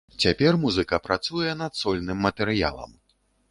Цяпер музыка працуе над сольным матэрыялам.